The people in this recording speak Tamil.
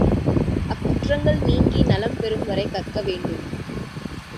அக்குற்றங்கள் நீங்கி நலம் பெறும் வரை கற்க வேண்டும்.